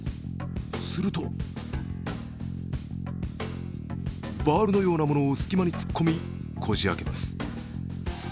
するとバールのようなものを隙間に突っ込みこじあけます。